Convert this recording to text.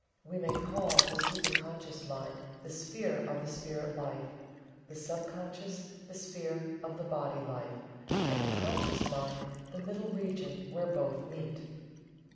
We may call the supra conscious mind the sphere of the spirit life, the sub conscious the sphere of the body life, and the conscious mind the middle region where both meet."